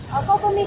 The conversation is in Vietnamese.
hảo hảo bao nhiêu